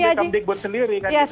termasuk di kmdik buat sendiri kan